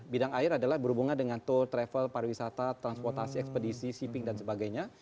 bidang air adalah berhubungan dengan tour travel pariwisata transportasi ekspedisi shipping dan sebagainya